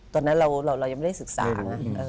ตอนนั้นเรายังไม่ได้ศึกษานะ